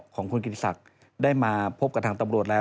ของคุณกิติศักดิ์ได้มาพบกับทางตำรวจแล้ว